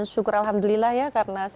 syukur alhamdulillah ya karena